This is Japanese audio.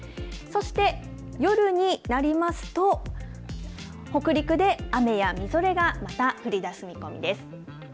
そして夜になりますと、北陸で雨やみぞれがまた降りだす見込みです。